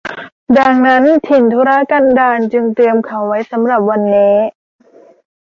ดังนั้นถิ่นทุรกันดารจึงเตรียมเขาไว้สำหรับวันนี้